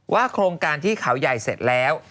โครงการที่เขาใหญ่เสร็จแล้ว